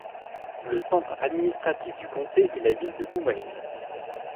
Le centre administratif du comté est la ville de Goomalling.